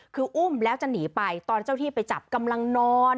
คืออุ้มแล้วจะหนีไปตอนเจ้าที่ไปจับกำลังนอน